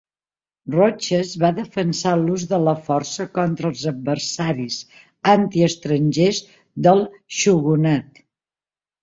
Roches va defensar l'ús de la força contra els adversaris anti-estrangers del shogunat.